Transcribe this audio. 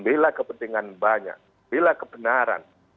bila kepentingan banyak bila kebenaran